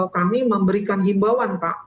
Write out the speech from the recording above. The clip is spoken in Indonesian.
kami memberikan himbauan pak